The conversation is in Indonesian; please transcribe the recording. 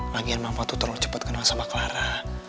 bagian mama tuh terlalu cepat kenal sama clara